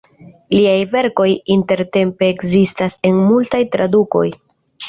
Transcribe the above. Liaj verkoj intertempe ekzistas en multaj tradukoj.